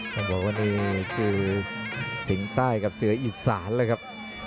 ต้องบอกว่านี่คือสิงห์ใต้กับเสืออีสานแล้วครับ